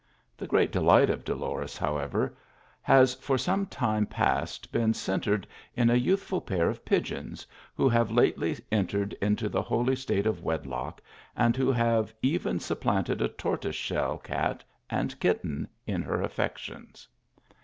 The great delight of Dolores, however, has for SOTIC time past been centred in a youthful pair of pigeons, who have lately entered into the holy state of wedlock, and who have even supplanted a tortoise shell cat and kitten in her affections.